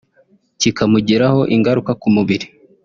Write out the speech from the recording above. kikamugiraho ingaruka ku mubiri